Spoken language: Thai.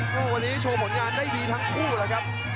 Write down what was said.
วันนี้โชว์ผลงานได้ดีทั้งคู่แล้วครับ